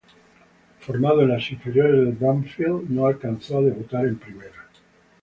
Formado en las inferiores de Banfield, no alcanzó a debutar en primera.